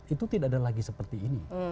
itu tidak ada lagi seperti ini